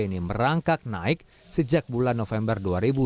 ini merangkak naik sejak bulan november dua ribu dua puluh